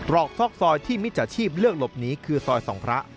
อกซอกซอยที่มิจฉาชีพเลือกหลบหนีคือซอยสองพระ